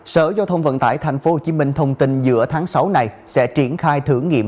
sở giao thông vận tải tp hcm thông tin giữa tháng sáu này sẽ triển khai thử nghiệm